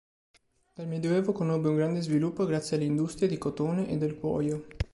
Dal medioevo conobbe un grande sviluppo grazie alle industrie di cotone e del cuoio.